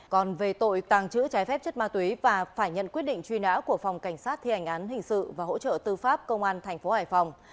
còn về tội tàng trữ trái phép chất ma túy và phải nhận quyết định truy nã của phòng cảnh sát thi hành án hình sự và hỗ trợ tư pháp công an tp hải phòng